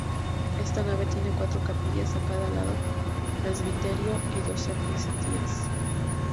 Esta nave tiene cuatro capillas a cada lado, presbiterio y dos sacristías.